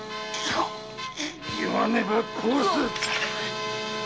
言わねば殺す！